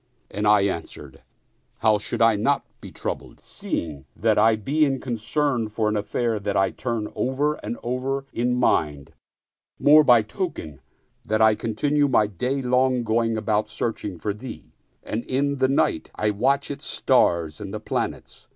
" and I an swered, " How should I not be troubled, seeing that I be in concern for an affair I turn over and over in mind, more by token that I continue my day long going about searching for thee and in the night I watch its stars and planets?"